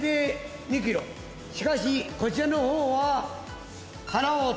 しかしこちらのほうは。